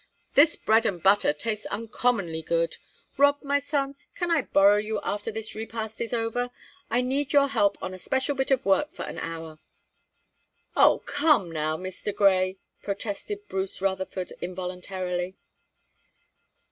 This bread and butter tastes uncommonly good! Rob, my son, can I borrow you after this repast is over? I need your help on a special bit of work for an hour." "Oh, come now, Mr. Grey!" protested Bruce Rutherford, involuntarily.